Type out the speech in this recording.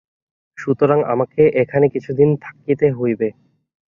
সুতরাং আমাকে এখানে কিছুদিন থাকিতে হইবে।